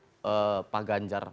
yang pendukung pak ganjar